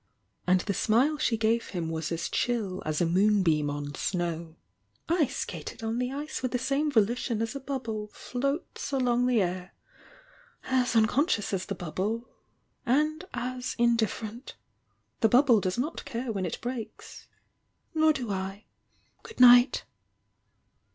and the smile she gave him was as chill as a moonbeam on snow. "I skated on the ice with the same volition as a bubble floats along the air, — as unconscious as the bubble — and as indifferent! The bubble does not care when it breaks— nor do I! Good night!"